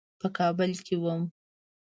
په کابل کې وم.